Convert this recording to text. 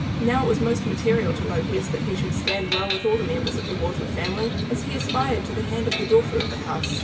Now it was most material to Lopez that he should stand well with all the members of the Wharton family, as he aspired to the hand of the daughter of the house.